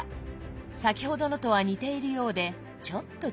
先ほどのとは似ているようでちょっと違います。